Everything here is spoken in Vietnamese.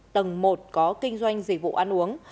tầng một có kinh doanh dịch vụ ăn uống